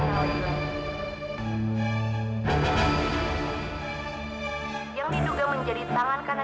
apa khidmat nantainya mengadukan pak prabu ke polisi